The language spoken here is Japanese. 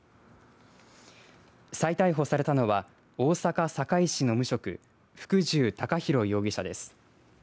再逮捕されたのは大阪、堺市の無職福重孝浩容疑者です。